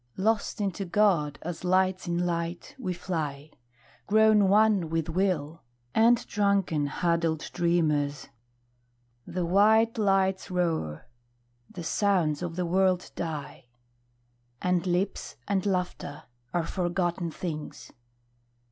Lost into God, as lights in light, we fly, Grown one with will, end drunken huddled dreamers. The white lights roar. The sounds of the world die. And lips and laughter are forgotten things.